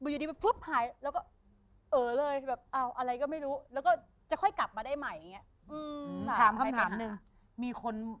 อยู่ดีสมองหายไปอะไรก็มี